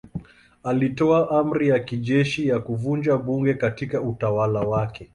Alitoa amri ya kijeshi ya kuvunja bunge katika utawala wake.